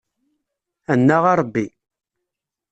Annaɣ a Ṛebbi!